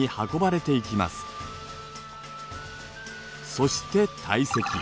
そして堆積。